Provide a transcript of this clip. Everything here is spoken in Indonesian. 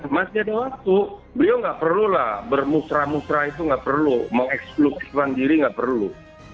masih ada waktu beliau nggak perlu lah bermusra musra itu nggak perlu mengeksklusifkan diri nggak perlu